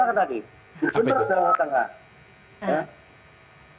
katakan tadi di jum'at sudah setengah